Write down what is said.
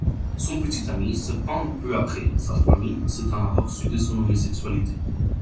Son petit ami se pend peu après, sa famille s'étant aperçu de son homosexualité.